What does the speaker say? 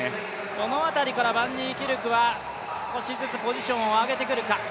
この辺りからバンニーキルクは少しずつ、ポジションを上げるか。